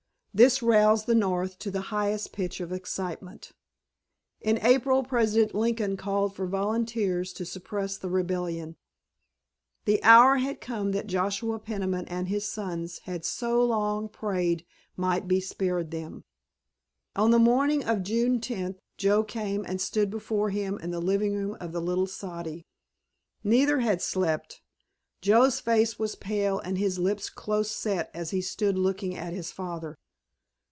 This roused the North to the highest pitch of excitement. In April President Lincoln called for volunteers to suppress the rebellion. The hour had come that Joshua Peniman and his sons had so long prayed might be spared them. On the morning of June tenth Joe came and stood before him in the living room of the little soddy. Neither had slept. Joe's face was pale and his lips close set as he stood looking at his father.